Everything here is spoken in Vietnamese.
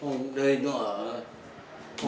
hôm nay nó